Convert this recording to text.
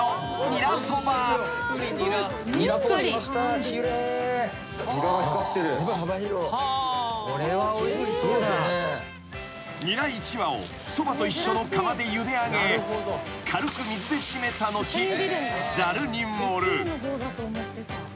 ［ニラ１把をそばと一緒の釜でゆであげ軽く水で締めた後ざるに盛る］